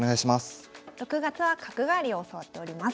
６月は角換わりを教わっております。